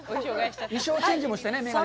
衣装チェンジもしてね。